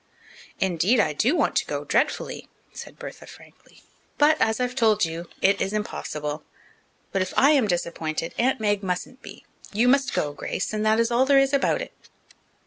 "Indeed, I do want to go, dreadfully," said Bertha frankly. "But as I've told you, it is impossible. But if I am disappointed, Aunt Meg musn't be. You must go, Grace, and that is all there is about it."